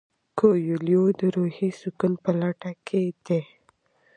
کویلیو د روحي سکون په لټه کې دی.